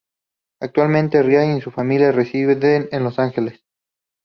Actualmente Ryan y su familia residen en Los Ángeles.